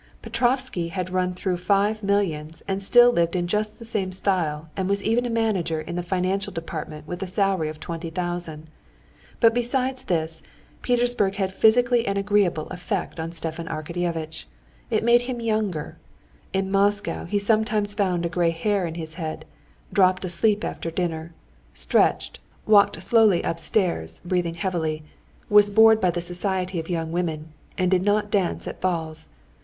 Petrovsky had run through five millions, and still lived in just the same style, and was even a manager in the financial department with a salary of twenty thousand. But besides this, Petersburg had physically an agreeable effect on Stepan Arkadyevitch. It made him younger. In Moscow he sometimes found a gray hair in his head, dropped asleep after dinner, stretched, walked slowly upstairs, breathing heavily, was bored by the society of young women, and did not dance at balls.